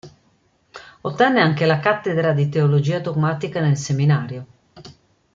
Ottenne anche la cattedra di teologia dogmatica nel seminario.